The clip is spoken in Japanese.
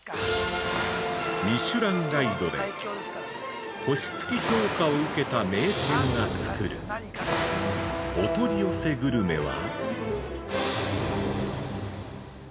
◆ミシュランガイドで星付き評価を受けた名店が作るお取り寄せグルメは。